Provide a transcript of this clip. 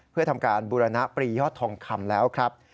เพื่อทำการบูรณปรียอดทองคำแล้วครับ